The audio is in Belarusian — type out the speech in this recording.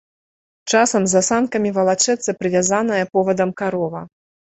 Часам за санкамі валачэцца прывязаная повадам карова.